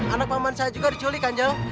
anak paman saya juga diculik kanjel